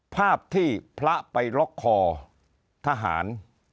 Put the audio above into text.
ภาพที่พระไปล็อกคอทหาร